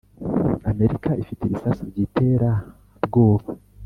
Amerika ifite ibisasu byitera bwoba